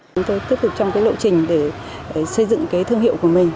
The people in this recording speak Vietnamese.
chúng tôi tiếp tục trong cái lộ trình để xây dựng cái thương hiệu của mình